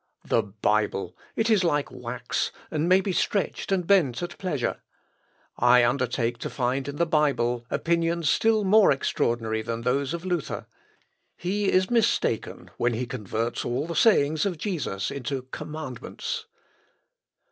The Bible! ... it is like wax, and may be stretched and bent at pleasure. I undertake to find in the Bible opinions still more extraordinary than those of Luther. He is mistaken when he converts all the sayings of Jesus into commandments."